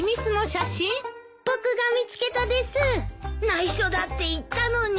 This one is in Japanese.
内緒だって言ったのに。